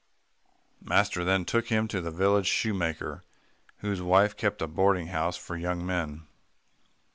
Master then took him to the village shoemaker whose wife kept a boarding house for young men.